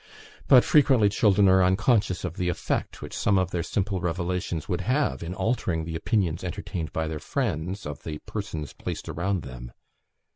But frequently children are unconscious of the effect which some of their simple revelations would have in altering the opinions entertained by their friends of the persons placed around them.